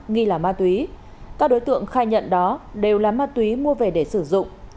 nghi là ma túy các đối tượng khai nhận đó đều là ma túy mua về để sử dụng